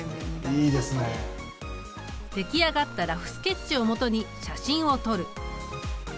出来上がったラフスケッチをもとに写真を撮る。